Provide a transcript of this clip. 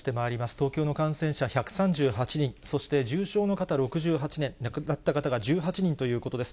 東京の感染者１３８人、そして重症の方６８人、亡くなった方が１８人ということです。